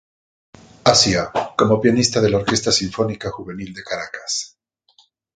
Asia: Como Pianista de la Orquesta Sinfónica Juvenil de Caracas.